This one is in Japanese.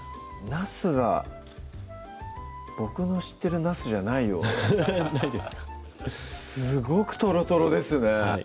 なすが僕の知ってるなすじゃないようなないですかすごくトロトロですねはい